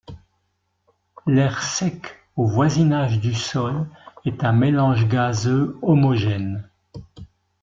L'air sec au voisinage du sol est un mélange gazeux homogène.